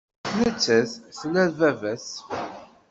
Nettat tla baba-s.